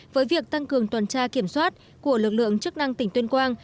với việc tăng cường tuần tra kiểm soát của lực lượng chức năng tỉnh tuyên quang